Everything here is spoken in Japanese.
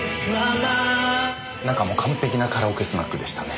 中も完璧なカラオケスナックでしたね。